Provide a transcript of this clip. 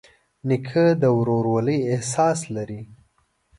نیکه د ورورولۍ احساس لري.